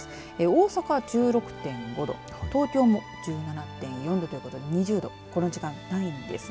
大阪１６．５度東京も１７．４度ということで２０度この時間、ないんです。